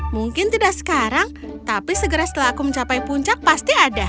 mungkin tidak sekarang tapi segera setelah aku mencapai puncak pasti ada